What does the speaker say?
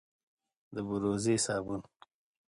د بوروزې صابون،